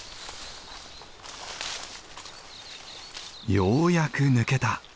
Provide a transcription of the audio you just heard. ようやく抜けた。